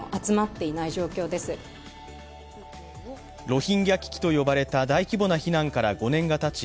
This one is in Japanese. ロヒンギャ危機と呼ばれた大規模な避難から５年がたち